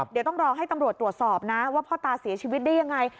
เดี๋ยวต้องรอให้ตำรวจตรวจสอบนะว่าพ่อตาเสียชีวิตได้ยังไง